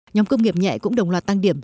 nhóm công nghiệp nhẹ cũng đồng loạt tăng điểm